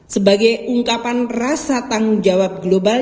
sebagai ungkapan rasa tanggung jawab global